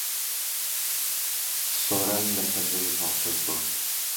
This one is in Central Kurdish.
سۆران لەسەر زەوی پاڵکەوتووە.